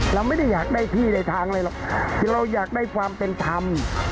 เราไม่ได้อยากได้ที่ได้ทางอะไรหรอกคือเราอยากได้ความเป็นธรรม